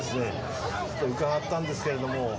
伺ったんですけれども。